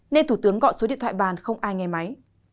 nên thủ tướng gọi số điện thoại bàn không ai nghe máy